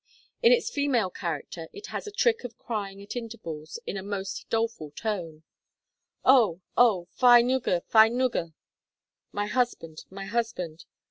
In its female character it has a trick of crying at intervals, in a most doleful tone, 'Oh! oh! fy ngwr, fy ngwr!' (my husband! my husband!)